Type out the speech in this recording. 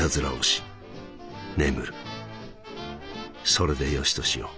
それでよしとしよう。